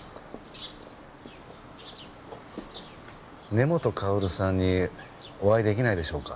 根本かおるさんにお会いできないでしょうか。